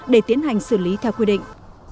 để tiến hành xử lý theo quy định